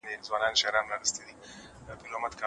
زه هره ورځ د غرمې تر ډوډۍ وروسته تازه مېوه خورم.